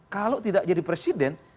kalau tidak jadi presiden